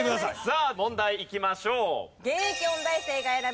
さあ問題いきましょう。